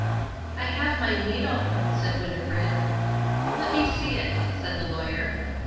"I have my needle," said Winnifred. "Let me see it," said the Lawyer.